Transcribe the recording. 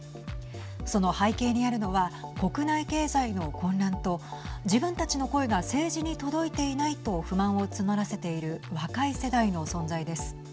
その背景にあるのは国内経済の混乱と自分たちの声が政治に届いていないと不満を募らせている若い世代の存在です。